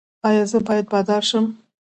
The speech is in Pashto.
ایا زه باید بادار شم؟